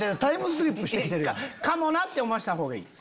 かもなって思わしたほうがいい。